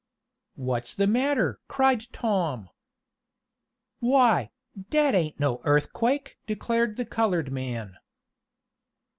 "What's the matter?" cried Tom. "Why, dat ain't no earthquake!" declared the colored man.